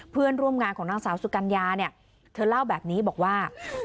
เพื่อนร่วมงานของนางสาวสุกัญญาเนี่ยเธอเล่าแบบนี้บอกว่า